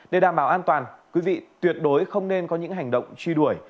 để đảm bảo an toàn quý vị tuyệt đối không nên có những hành động truy đuổi